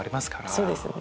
そうですね。